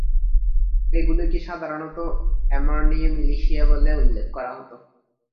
এগুলিকে সাধারণত আর্মেনিয় মিলিশিয়া বলে উল্লেখ করা হত।